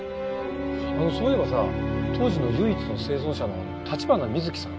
そういえばさ当時の唯一の生存者の橘水樹さん